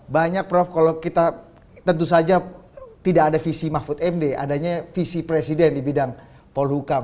banyak prof kalau kita tentu saja tidak ada visi mahfud md adanya visi presiden di bidang polhukam